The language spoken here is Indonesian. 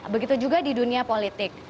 begitu juga di dunia politik